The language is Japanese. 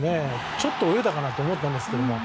ちょっと泳いだかなと思ったんですけど。